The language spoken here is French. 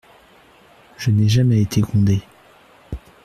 Je n'ai jamais été grondé.